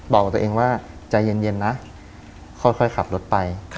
บอกกับตัวเองว่าใจเย็นนะค่อยขับรถไป